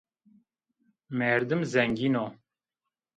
Merdim zengîn o